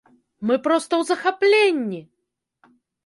Мы проста ў захапленні!